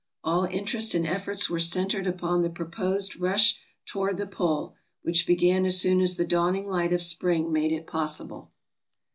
All interest and efforts were centered upon the proposed rush toward the pole, which began as soon as the dawning light of spring made it possible.